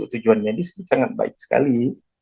untuk tujuan medis itu sangat baik sekali